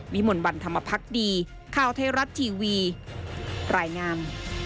วิมวลบรรภัคดีข้าวเทศรัตน์ทีวีรายงาน